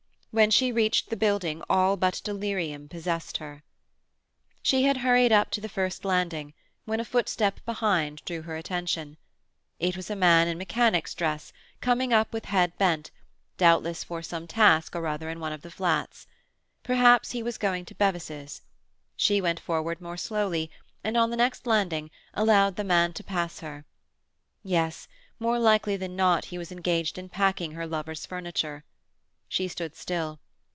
When she reached the building all but delirium possessed her. She had hurried up to the first landing, when a footstep behind drew her attention. It was a man in mechanic's dress, coming up with head bent, doubtless for some task or other in one of the flats. Perhaps he was going to Bevis's. She went forward more slowly, and on the next landing allowed the man to pass her. Yes, more likely than not he was engaged in packing her lover's furniture. She stood still.